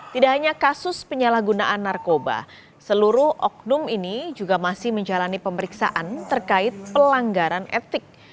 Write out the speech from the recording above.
tidak hanya kasus penyalahgunaan narkoba seluruh oknum ini juga masih menjalani pemeriksaan terkait pelanggaran etik